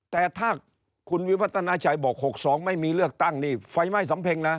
แต่ถ้าคุณวิวัฒนาชัยบอก๖๒ไม่มีเลือกตั้งนี่ไฟไหม้สำเพ็งนะ